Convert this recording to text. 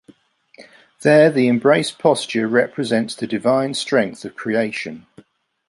There, the embraced posture represents the divine strength of creation.